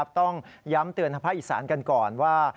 ต้องย้ำเตือนภาคอีสานกันก่อนว่า